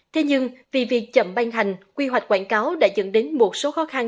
thế nhưng vì việc chậm ban hành quy hoạch quảng cáo đã dẫn đến một số khó khăn